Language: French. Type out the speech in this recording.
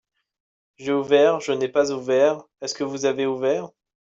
J'ai ouvert, je n'ai pas ouvert. Est-ce que vous avez ouvert ?